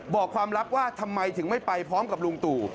บอกความลับว่าทำไมถึงไม่ไปพร้อมกับลุงตู่